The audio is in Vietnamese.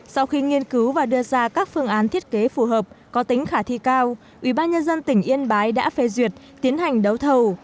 sau khi nghiên cứu và đưa ra các phương án thiết kế phù hợp có tính khả thi cao ubnd tỉnh yên bái đã phê duyệt tiến hành đấu thầu